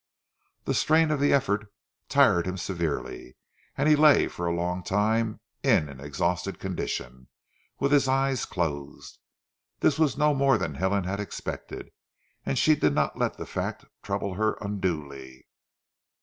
The strain of the effort tried him severely, and he lay for a long time in an exhausted condition, with his eyes closed. This was no more than Helen had expected, and she did not let the fact trouble her unduly.